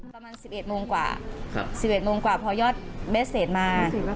ประมาณ๑๑โมงกว่าพอยอดเบสเศษมา